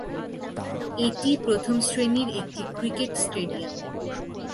এটি প্রথম শ্রেণীর একটি ক্রিকেট স্টেডিয়াম।